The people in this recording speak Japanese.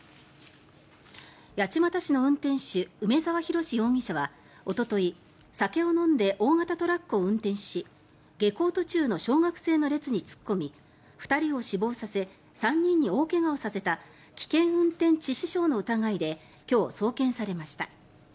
八街市の運転手梅沢洋容疑者はおととい酒を飲んで大型トラックを運転し下校途中の小学生の列に突っ込み２人を死亡させ３人に大怪我をさせた危険運転致死傷の疑いで今日、送検されました。